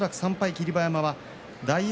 霧馬山は大栄